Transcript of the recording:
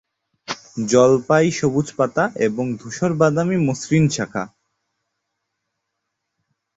জলপাই-সবুজ পাতা এবং ধূসর বাদামী মসৃণ শাখা।